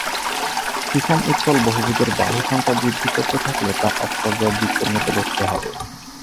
সুষম উত্তল বহুভুজের বাহু সংখ্যা বৃদ্ধি করতে থাকলে তা একপর্যায়ে বৃত্তের মত দেখতে হবে।